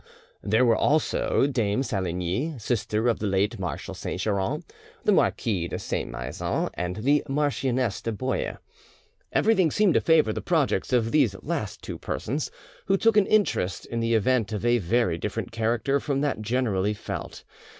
There were also Dame Saligny, sister of the late Marshal Saint Geran, the Marquis de Saint Maixent, and the Marchioness de Bouille. Everything seemed to favour the projects of these last two persons, who took an interest in the event of a very different character from that generally felt.